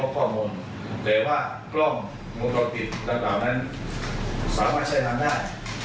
ก็สามารถใช้ทำได้